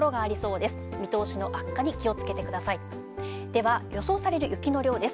では、予想される雪の量です。